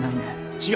違う！